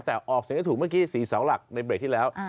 แต่ออกเสียงให้ถูกเมื่อกี้๔เสาหลักในเบรกที่แล้ว